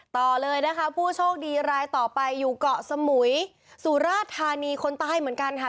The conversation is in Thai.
ต่อเลยนะคะผู้โชคดีรายต่อไปอยู่เกาะสมุยสุราธานีคนใต้เหมือนกันค่ะ